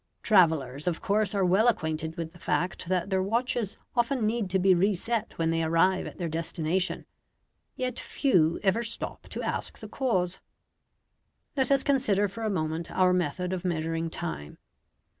Travellers, of course, are well acquainted with the fact that their watches often need to be reset when they arrive at their destination. Yet few ever stop to ask the cause. Let us consider for a moment our method of measuring time.